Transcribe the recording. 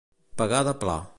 Pegar de pla.